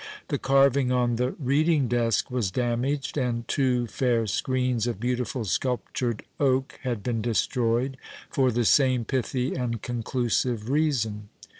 The carving on the reading desk was damaged, and two fair screens of beautiful sculptured oak had been destroyed, for the same pithy and conclusive reason.